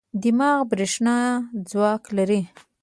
دماغ برېښنا ځواک لري.